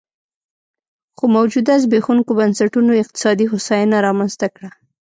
خو موجوده زبېښونکو بنسټونو اقتصادي هوساینه رامنځته کړه